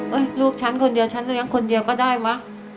ลูกฉันคนเดียวฉันเลี้ยงคนเดียวก็ได้วะ